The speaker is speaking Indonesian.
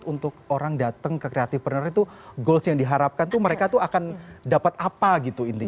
untuk orang datang ke creative partner itu goals yang diharapkan tuh mereka tuh akan dapat apa gitu intinya